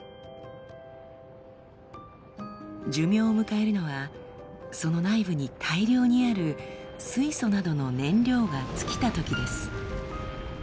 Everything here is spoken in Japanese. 寿命を迎えるのはその内部に大量にある水素などの燃料が尽きたときです。